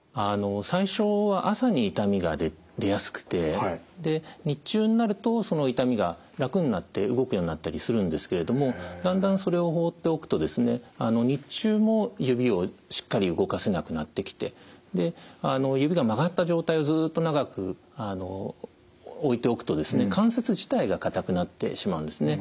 最初は朝に痛みが出やすくて日中になるとその痛みが楽になって動くようになったりするんですけれどもだんだんそれを放っておくと日中も指をしっかり動かせなくなってきて指が曲がった状態をずっと長く置いておくと関節自体が硬くなってしまうんですね。